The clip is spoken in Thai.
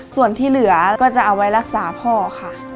ส่วนที่เหลือก็จะเอาไว้รักษาพ่อค่ะ